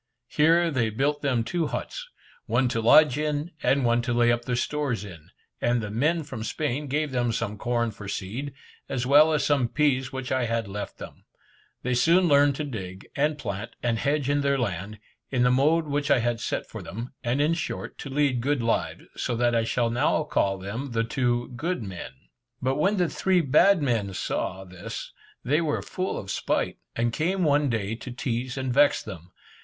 Here they built them two huts, one to lodge in, and one to lay up their stores in; and the men from Spain gave them some corn for seed, as well as some peas which I had left them. They soon learned to dig, and plant, and hedge in their land, in the mode which I had set for them, and in short, to lead good lives, so that I shall now call them the "two good men." But when the three bad men saw, this, they were full of spite, and came one day to tease and vex them.